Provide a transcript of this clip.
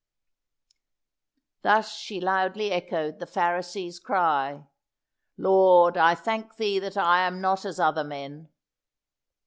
Thus she loudly echoed the Pharisee's cry "Lord, I thank Thee that I am not as other men."